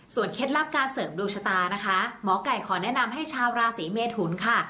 เคล็ดลับการเสริมดวงชะตานะคะหมอไก่ขอแนะนำให้ชาวราศีเมทุนค่ะ